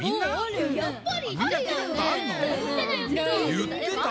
言ってた？